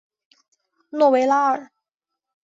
诺维拉尔。